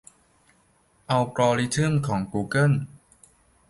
อัลกอริทึมของกูเกิล